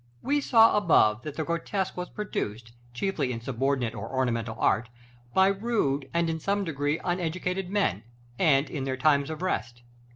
We saw above that the grotesque was produced, chiefly in subordinate or ornamental art, by rude, and in some degree uneducated men, and in their times of rest.